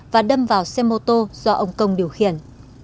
và đâm vào xe mô tô do ông công điều khiển